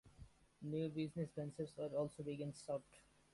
New business ventures were also being sought.